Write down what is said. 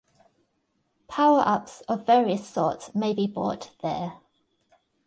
Power-ups of various sorts may be bought there.